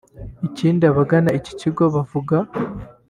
Ikindi abagana iki kigo bavuga